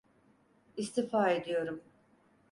İstifa ediyorum.